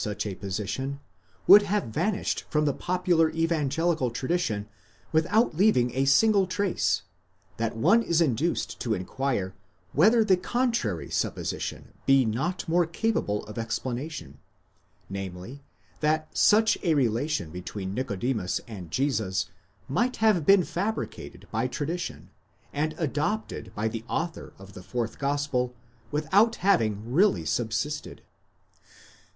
such a position, would have vanished from the popular evangelical tradition 1 Schulz, tiber das Abendmahl, 5. 321. 365 366 PART Il. CHAPTER VII. § 80. without leaving a single trace, that one is induced to inquire whether the contrary supposition be not more capable of explanation : namely, that such a relation between Nicodemus and Jesus might have been fabricated by tradition, and adopted by the author of the fourth gospel without having really subsisted.